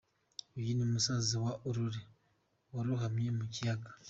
Uyu ni musaza wa Aurore warohamye mu kiyaga.